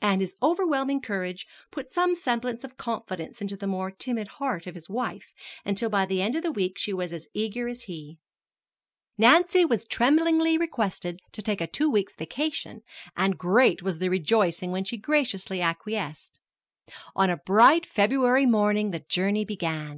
And his overwhelming courage put some semblance of confidence into the more timid heart of his wife, until by the end of the week she was as eager as he. Nancy was tremblingly requested to take a two weeks' vacation, and great was the rejoicing when she graciously acquiesced. On a bright February morning the journey began.